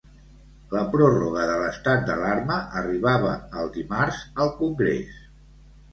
La pròrroga de l'estat d'alarma arribava el dimarts al Congrés.